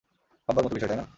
ভাববার মত বিষয়, তাই না?